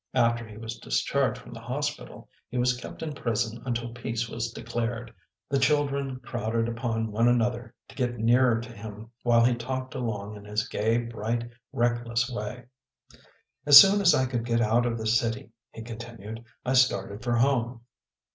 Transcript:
After he was discharged from the hospital he was kept in prison until peace was declared. The children crowded upon one another to get nearer to him while he talked along in his gay, bright, reckless way. " As soon as I could get out of the city," he continued, " I started for home.